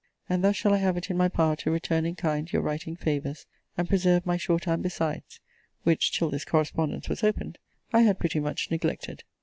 And thus shall I have it in my power to return in kind your writing favours; and preserve my short hand besides: which, till this correspondence was opened, I had pretty much neglected.